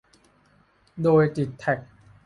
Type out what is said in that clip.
โดยติดแท็ก